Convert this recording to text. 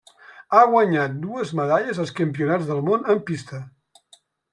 Ha guanyat dues medalles als Campionats del Món en pista.